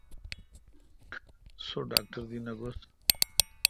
سو ڈاکٹر دی نہ گھوس۔